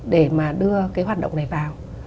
để mà đưa cái hoạt động này vào